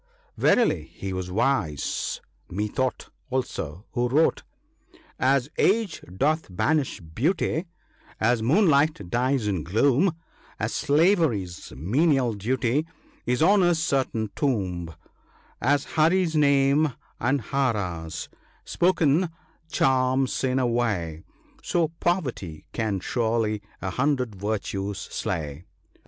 " Verily he was wise, methought also, who wrote —" As Age doth banish beauty, As moonlight dies in gloom, As Slavery's menial duty Is Honour's certain tomb ; As Hari's name and Hara's ( 33 ) Spoken, charm sin away, So Poverty can surely A hundred virtues slay."